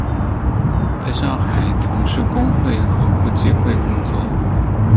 在上海从事工会和互济会工作。